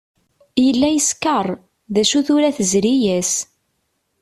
Yella yeskeṛ, d acu tura tezri-as.